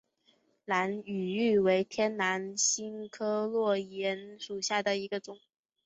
兰屿芋为天南星科落檐属下的一个种。